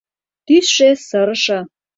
Тӱсшӧ сырыше.